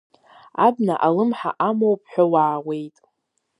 Абна алымҳа амоуп ҳәа уаауеит.